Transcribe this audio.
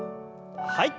はい。